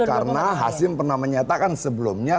karena hasim pernah menyatakan sebelumnya